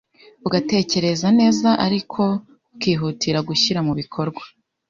ugatekereza neza ariko ukihutira gushyira mu bikorwa